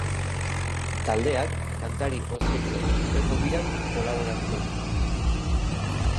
Taldeak kantari ospetsuaren hurrengo biran kolaboratuko du.